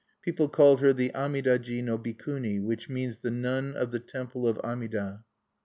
People called her the Amida ji no Bikuni, which means The Nun of the Temple of Amida.